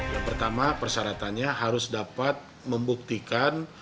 yang pertama persyaratannya harus dapat membuktikan